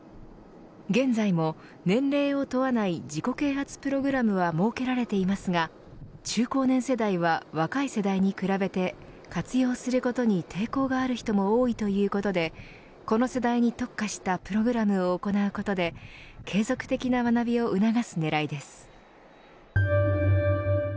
現在も年齢を問わない自己啓発プログラムは設けられていますが中高年世代は、若い世代に比べて活用することに抵抗がある人も多いということでこの世代に特化したプログラムを行うことで継続的な学びを促す狙いです。